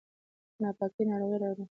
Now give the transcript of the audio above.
ناپاکي ناروغي راوړي